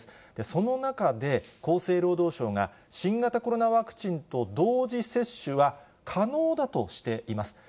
その中で、厚生労働省が、新型コロナワクチンと同時接種は可能だとしています。